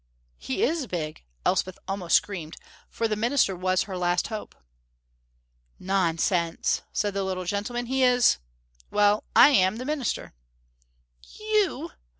"He is big," Elspeth almost screamed, for the minister was her last hope. "Nonsense!" said the little gentleman. "He is well, I am the minister." "You!"